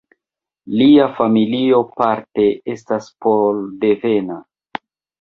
Lia familio parte estas pol-devena.